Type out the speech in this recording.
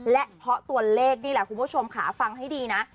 และเพราะตัวเลขนี่แหละคุณผู้ชมค่ะฟังให้ดีนะ